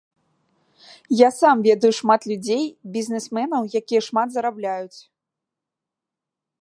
Я сам ведаю шмат людзей, бізнесменаў, якія шмат зарабляюць.